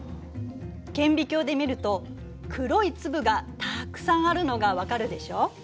顕微鏡で見ると黒い粒がたくさんあるのが分かるでしょ？